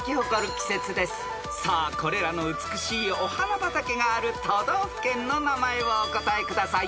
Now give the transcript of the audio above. ［さあこれらの美しいお花畑がある都道府県の名前をお答えください］